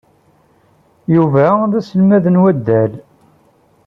Yuba d aselmad n waddal.